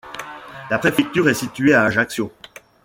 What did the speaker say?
La préfecture est située à Ajaccio.